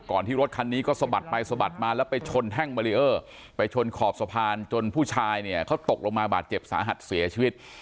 ที่รถคันนี้ก็สะบัดไปสะบัดมาแล้วไปชนแท่งบารีเออร์ไปชนขอบสะพานจนผู้ชายเนี่ยเขาตกลงมาบาดเจ็บสาหัสเสียชีวิต